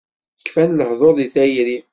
Kfan lehduṛ di tayri.